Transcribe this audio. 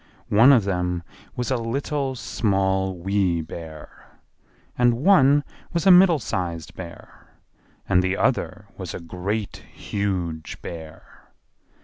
One of them was a Little, Small, Wee Bear; and one was a Middle sized Bear, and the other was a Great, Huge Bear.